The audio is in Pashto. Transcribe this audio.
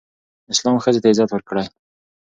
اسلام ښځې ته عزت ورکړی